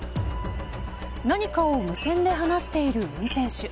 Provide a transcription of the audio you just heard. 何かを無線で話している運転手。